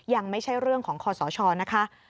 ยังไม่ใช่เรื่องของคอสชนะคะ